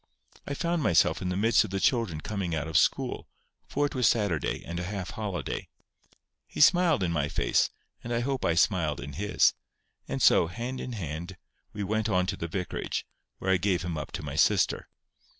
I found myself in the midst of the children coming out of school, for it was Saturday, and a half holiday. He smiled in my face, and I hope I smiled in his; and so, hand in hand, we went on to the vicarage, where I gave him up to my sister.